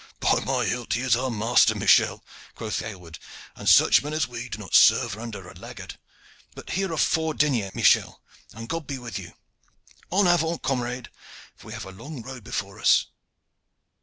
"By my hilt! he is our master, Michel," quoth Aylward, "and such men as we do not serve under a laggart. But here are four deniers, Michel, and God be with you! En avant, camarades! for we have a long road before us."